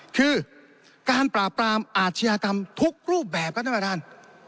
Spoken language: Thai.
คือการปราบปรามอาชญากรรมทุกรูปแบบครับท่านประธาน